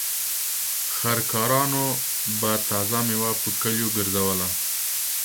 خر کارانو به تازه مېوه په کليو ګرځوله.